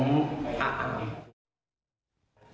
ผมอ่ะอ่ะ